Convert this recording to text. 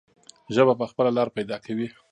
ژبه به خپله لاره پیدا کوي.